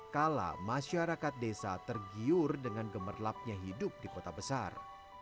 kala masyarakat desa tergiur dengan gemerlapnya hidup di kota besar